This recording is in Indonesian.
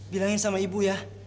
bilangin sama ibu ya